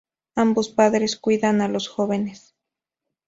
Ambos padres cuidan a los jóvenes.